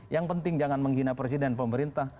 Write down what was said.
yang penting jangan menghina presiden pemerintah